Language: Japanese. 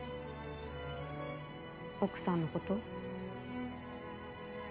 奥さんのこと？